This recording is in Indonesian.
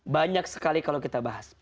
banyak sekali kalau kita bahas